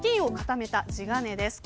金を固めた地金です。